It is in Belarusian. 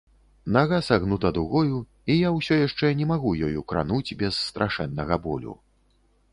Нага сагнута дугою, і я ўсё яшчэ не магу ёю крануць без страшэннага болю.